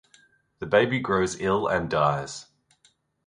The baby grows ill and dies.